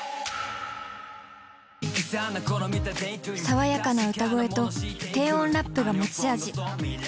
爽やかな歌声と低音ラップが持ち味。